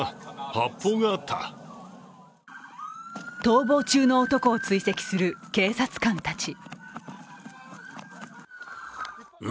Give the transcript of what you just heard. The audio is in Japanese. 逃亡中の男を追跡する警察官たち。